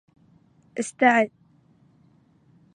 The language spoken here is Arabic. إستعد